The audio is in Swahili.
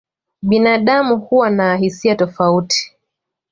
Binadamu huwa na hisia tofauti.